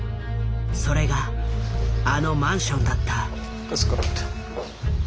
それがあのマンションだった。